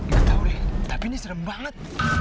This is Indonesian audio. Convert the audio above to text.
gak tau deh tapi ini serem banget